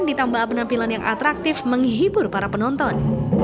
ditambah penampilan yang atraktif menghibur para penonton